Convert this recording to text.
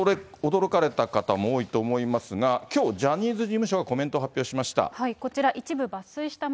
驚かれた方も多いと思いますが、きょう、ジャニーズ事務所がコメントを発表しました。